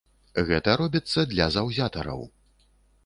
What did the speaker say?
Гэта робіцца для заўзятараў.